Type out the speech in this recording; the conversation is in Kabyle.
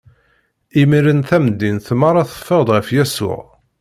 Imiren tamdint meṛṛa teffeɣ-d ɣer Yasuɛ.